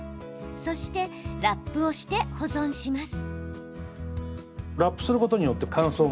そしてラップをして保存します。